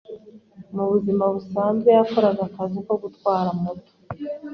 mu buzima busanzwe yakoraga akazi ko gutwara moto